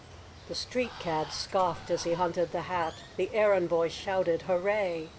The street cad scoffed as he hunted the hat, The errand boy shouted hooray!